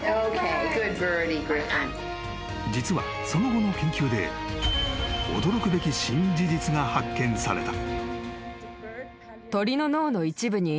［実はその後の研究で驚くべき新事実が発見された］